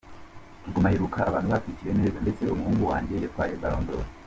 Ubwo mpaheruka ,abantu batwakiriye neza ndetse umuhungu wanjye yatwaye Ballon d’Or.